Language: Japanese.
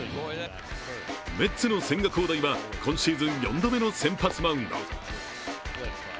メッツの千賀滉大は今シーズン４度目の先発マウンド。